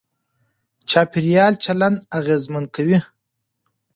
چاپېريال چلند اغېزمن کوي.